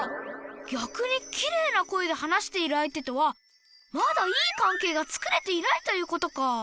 ぎゃくにキレイな声で話している相手とはまだいい関係がつくれていないということか！